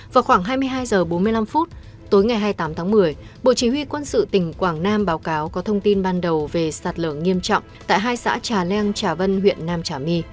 vào khoảng hai mươi hai h bốn mươi năm tối ngày hai mươi tám tháng một mươi bộ chỉ huy quân sự tỉnh quảng nam báo cáo có thông tin ban đầu về sạt lở nghiêm trọng tại hai xã trà leng trà vân huyện nam trà my